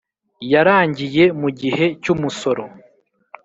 yarangiye mu gihe cy umusoro